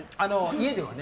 家ではね。